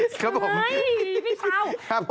ไม่ใช่พี่เช้า